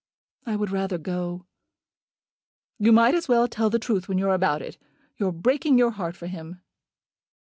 "I would rather go." "You might as well tell the truth when you are about it. You are breaking your heart for him."